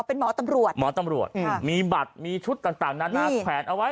เป็นหมอตำรวจหมอตำรวจมีบัตรมีชุดต่างนานาแขวนเอาไว้